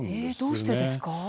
どうしてですか？